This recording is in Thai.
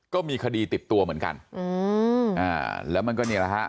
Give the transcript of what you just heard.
ก็มีคดีติดตัวเหมือนกันอืมอ่าแล้วมันก็เนี่ยแหละฮะ